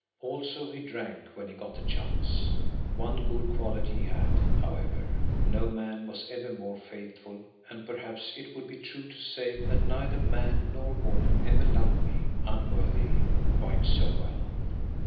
Also he drank when he got the chance. One good quality he had, however; no man was ever more faithful, and perhaps it would be true to say that neither man nor woman ever loved me, unworthy, quite so well.